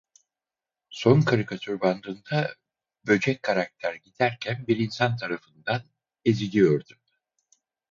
Son karikatür bandında böcek karakter giderken bir insan tarafından eziliyordu.